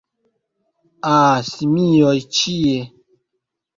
Ah simioj ĉie